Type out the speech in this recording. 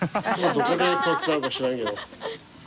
どこでこうつなぐか知らんけど。